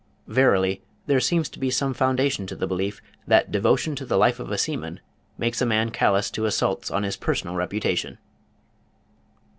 Verily there seems to be some foundation to the belief that devotion to the life of a seaman makes a man callous to assaults on his personal reputation!